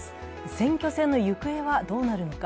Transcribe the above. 選挙戦の行方はどうなるのか。